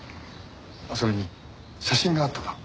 それに写真があっただろ？